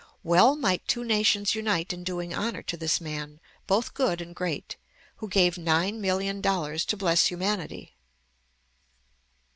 Well might two nations unite in doing honor to this man, both good and great, who gave nine million dollars to bless humanity.